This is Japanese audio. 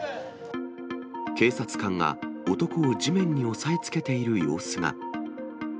警察官が男を地面に押さえつけている様子が。